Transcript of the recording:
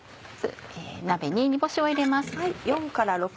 鍋に煮干しを入れます。